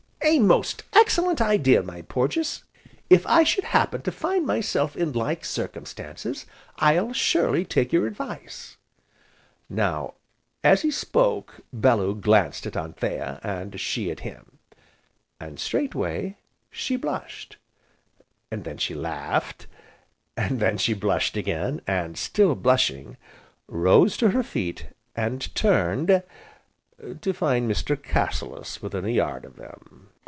"A most excellent idea, my Porges! If I should happen to find myself in like circumstances, I'll surely take your advice." Now, as he spoke, Bellew glanced at Anthea, and she at him. And straightway she blushed, and then she laughed, and then she blushed again, and, still blushing, rose to her feet, and turned to find Mr. Cassilis within a yard of them.